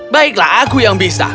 baiklah aku yang bisa